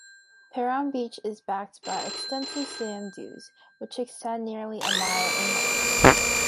Perran beach is backed by extensive sand dunes which extend nearly a mile inland.